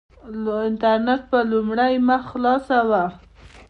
د انټرنېټ په لومړۍ مخ خلاصه وه.